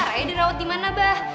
raya dirawat dimana abah